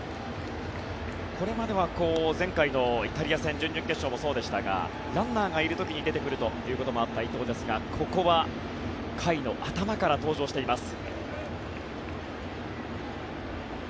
これまでは前回のイタリア戦準々決勝もそうでしたがランナーがいる時に出てくることもあった伊藤ですがここは回の頭から登場しています。